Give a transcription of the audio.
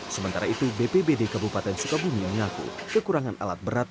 sementara itu bpbd kabupaten sukabumi mengaku kekurangan alat berat